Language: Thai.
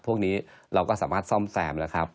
พวกนี้เราก็สามารถซ่อมแซมแล้วครับ